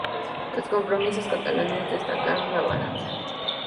Los compromisarios catalanes decantaron la balanza.